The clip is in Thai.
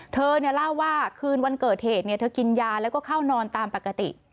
เธอเล่าว่าคืนวันเกิดเหตุเธอกินยาแล้วก็เข้านอนตามปกติ